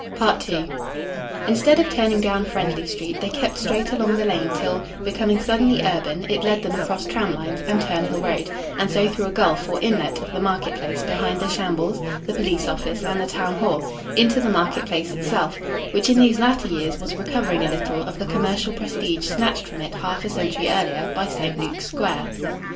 II Instead of turning down Friendly Street, they kept straight along the lane till, becoming suddenly urban, it led them across tram lines and Turnhill Road, and so through a gulf or inlet of the market place behind the Shambles, the Police Office, and the Town Hall, into the market place itself, which in these latter years was recovering a little of the commercial prestige snatched from it half a century earlier by St. Luke's Square.